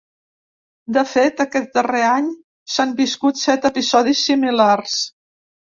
De fet, aquest darrer any s’han viscut set episodis similars.